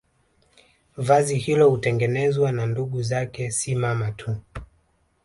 Vazi hilo hutengenezwa na ndugu zake si mama tu